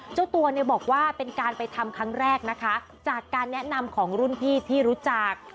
เจ้าตัวเนี่ยบอกว่าเป็นการไปทำครั้งแรกนะคะจากการแนะนำของรุ่นพี่ที่รู้จัก